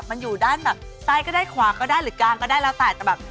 มันอยู่ด้านแบบซ้ายก็ได้ขวาก็ได้หรือกลางก็ได้แล้วแต่แต่แบบ